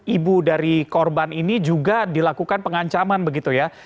ibu dari korban ini juga dilakukan pengancaman begitu ya